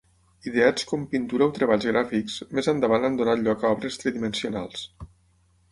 Ideats com pintura o treballs gràfics, més endavant han donat lloc a obres tridimensionals.